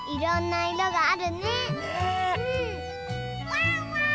・ワンワン！